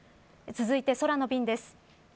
続いて空の便です。